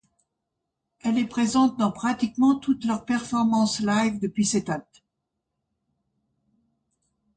Elle est présente dans pratiquement toutes leurs performances live depuis cette date.